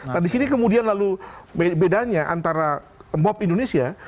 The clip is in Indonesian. nah di sini kemudian lalu bedanya antara bob indonesia